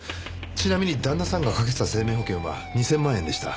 ちなみに旦那さんがかけてた生命保険は２０００万円でした。